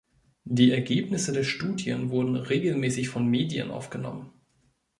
Die Ergebnisse der Studien wurden regelmäßig von Medien aufgenommen.